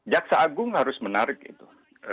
jaksa agung harus menarik itu